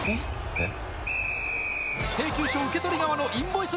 えっ？